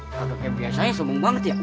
ketuk yang biasanya sombong banget ya